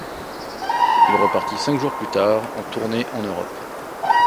Il repartit cinq jours plus tard en tournée en Europe.